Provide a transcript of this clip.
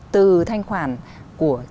từ thanh khoản của